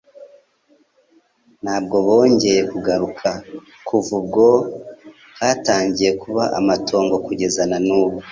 ntabwo bongeye kugaruka. Kuva ubwo hatangiye kuba amatongo kugeza na n'ubu